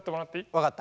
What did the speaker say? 分かった。